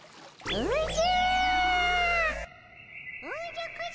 おじゃ？